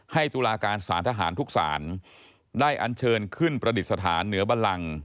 ตุลาการสารทหารทุกศาลได้อันเชิญขึ้นประดิษฐานเหนือบันลัง